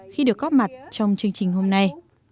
khi được có mặt trong chương trình hôm nay